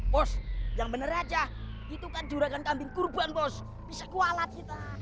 bos yang bener aja itu kan juragan kambing kurban pos bisa kualat kita